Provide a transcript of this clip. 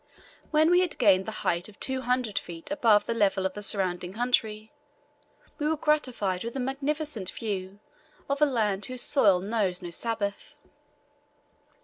When we had gained the height of two hundred feet above the level of the surrounding country, we were gratified with a magnificent view of a land whose soil knows no Sabbath.